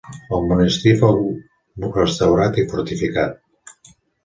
El monestir fou restaurat i fortificat.